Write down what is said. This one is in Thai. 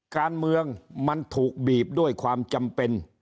การเมืองมันถูกบีบด้วยความจำเป็น